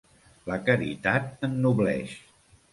La caritat ennobleix.